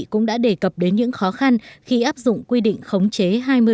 cũng đã đề cập đến những khó khăn khi áp dụng quy định khống chế hai mươi